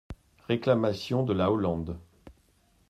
Réclamation de la Hollande.